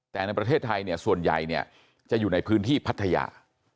แต่ในประเทศไทยเนี่ยส่วนใหญ่จะอยู่ในพื้นที่พัทยา